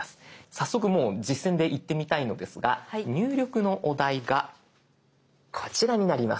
早速もう実践でいってみたいのですが入力のお題がこちらになります。